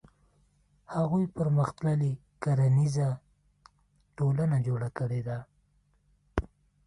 هغوی پرمختللې کرنیزه ټولنه جوړه کړې ده.